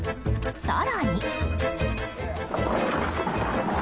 更に。